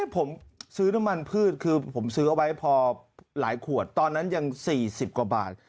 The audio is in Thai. ผมซื้อน้ำมันพืชคือผมซื้อเอาไว้พอหลายขวดตอนนั้นยัง๔๐กว่าบาท